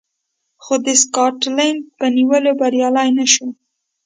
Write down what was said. خو د سکاټلنډ په نیولو بریالی نه شو